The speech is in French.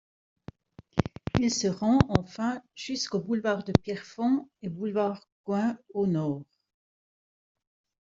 Il se rend enfin jusqu'aux boulevard de Pierrefonds et boulevard Gouin au nord.